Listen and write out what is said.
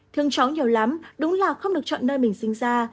thương cháu nhiều lắm đúng là không được chọn nơi mình sinh ra